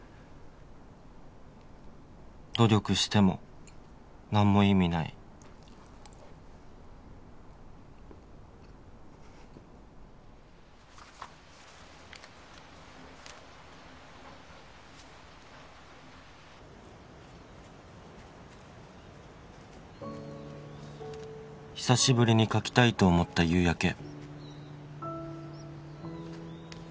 「努力しても何も意味ない」「久しぶりに描きたいと思った夕焼け」